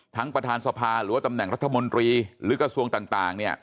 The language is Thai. ประธานสภาหรือว่าตำแหน่งรัฐมนตรีหรือกระทรวงต่าง